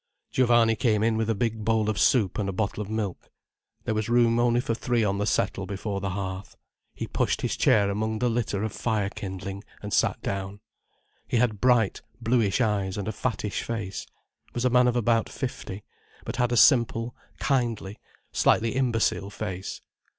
Giovanni came in with a big bowl of soup and a bottle of milk. There was room only for three on the settle before the hearth. He pushed his chair among the litter of fire kindling, and sat down. He had bright, bluish eyes, and a fattish face—was a man of about fifty, but had a simple, kindly, slightly imbecile face.